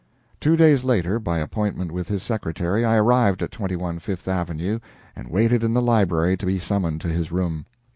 Two days later, by appointment with his secretary, I arrived at 21 Fifth Avenue, and waited in the library to be summoned to his room.